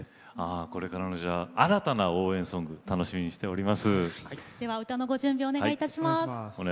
これからの新たな応援ソング楽しみにしております。